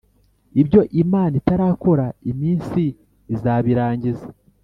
Ibyo Imana itarakora Iminsi izabirangiza.